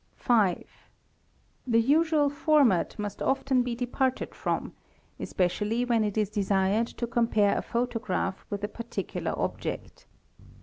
5. The usual format must often be departed from, especially when is desired to compare a photograph with a particular object.